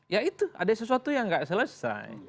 ya itu ada sesuatu yang nggak selesai